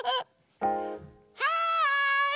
はい！